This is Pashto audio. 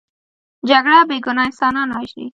جګړه بې ګناه انسانان وژني